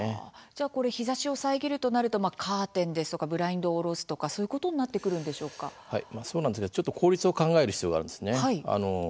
じゃあ、日ざしを遮るとなるとカーテンですとかブラインドを下ろすとかそういうことにそうなんですけれどもちょっと効率を考える必要があるんですね。